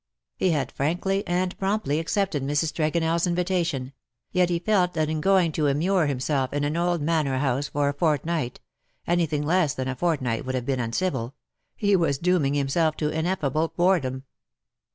He had frankly and promptly accepted Mrs. TregonelFs invitation ; yet he felt that in going to immure himself in an old manor house for a fort night — anything less than a fortnight would have been uncivil — he was dooming himself to ineffable boredom.